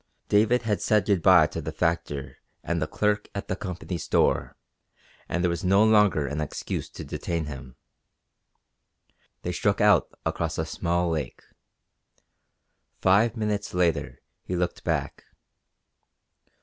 David had said good bye to the factor and the clerk at the Company store and there was no longer an excuse to detain him. They struck out across a small lake. Five minutes later he looked back.